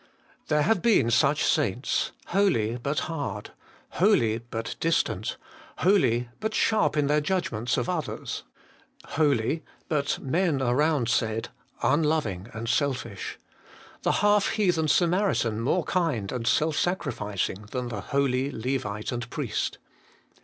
There have been such saints, holy but hard, holy but distant, holy but sharp in their judg ments of others ; holy, but men around said, unloving and selfish ; the half heathen Samaritan more kind and self sacrificing than the holy Levite and priest.